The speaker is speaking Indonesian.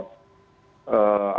apa yang diaut